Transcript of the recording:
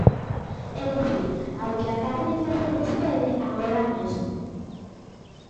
É dicir, ao que acaba de facer vostede agora mesmo.